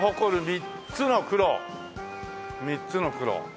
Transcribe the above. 三つの黒。